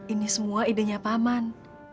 ini semua idenya paman